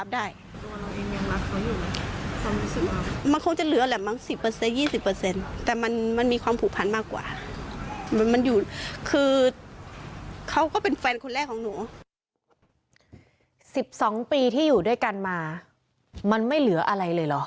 ๑๒ปีที่อยู่ด้วยกันมามันไม่เหลืออะไรเลยเหรอ